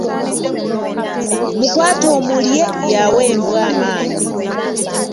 Mukwate omulye, y’awa embwa amaanyi.